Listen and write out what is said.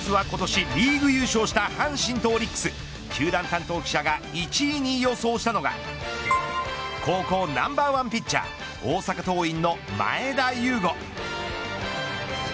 まずは今年リーグ優勝した阪神とオリックス球団担当記者が１位に予想したのが高校ナンバーワンピッチャー大阪桐蔭の前田悠伍。